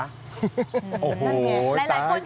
โอ้โหตายตาย